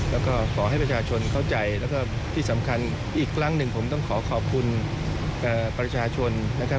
แล้วก็ขอให้ประชาชนเข้าใจแล้วก็ที่สำคัญอีกครั้งหนึ่งผมต้องขอขอบคุณประชาชนนะครับ